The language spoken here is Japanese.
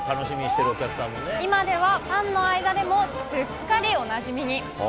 今ではファンの間でもすっかりおなじみに。